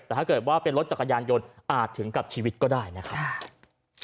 แต่ถ้าเกิดว่าเป็นรถจักรยานยนต์อาจถึงกับชีวิตก็ได้นะครับ